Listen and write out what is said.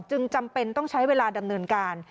จำเป็นต้องใช้เวลาดำเนินการ